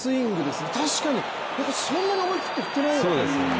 確かに、そんなに思い切って振ってないですね。